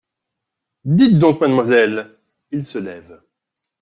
Dites donc, mademoiselle… il se lève…